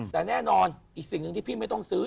แต่แน่นอนอีกสิ่งหนึ่งที่พี่ไม่ต้องซื้อ